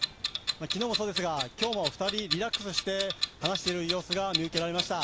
昨日もそうですが今日も２人、リラックスして話している様子が見受けられました。